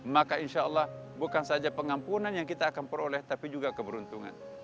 maka insya allah bukan saja pengampunan yang kita akan peroleh tapi juga keberuntungan